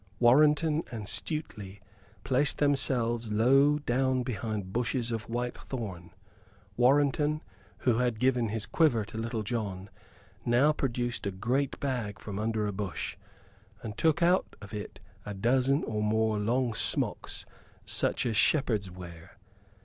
Warrenton and Stuteley placed themselves low down behind bushes of white thorn. Warrenton, who had given his quiver to Little John, now produced a great bag from under a bush; and took out of it a dozen or more long smocks such as shepherds wear.